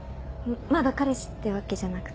まだ彼氏ってわけじゃなくて。